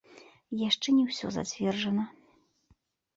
Яшчэ не ўсё зацверджана.